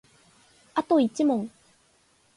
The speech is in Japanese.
あと一問